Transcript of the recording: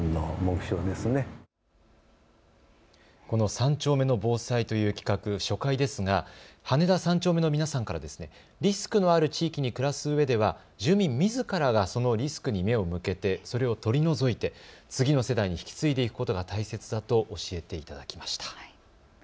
この３丁目の防災という企画、初回ですが羽田３丁目の皆さんからリスクのある地域に暮らすうえでは住民みずからがそのリスクに目を向けてそれを取り除いて次の世代に引き継いでいくことが大切だとおっしゃっていました。